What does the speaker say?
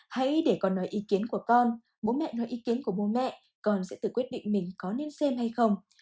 hãy để con nói ý kiến của con bố mẹ nói ý kiến của bố mẹ con sẽ tự quyết định mình có nên xem hay không